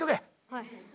はい。